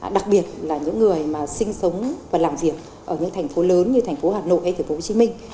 đặc biệt là những người mà sinh sống và làm việc ở những thành phố lớn như thành phố hà nội hay thành phố hồ chí minh